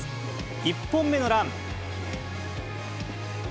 １本目のラン。